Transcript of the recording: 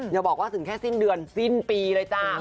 อย่าบอกว่าถึงแค่สิ้นเดือนสิ้นปีเลยจ้า